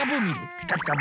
「ピカピカブ！」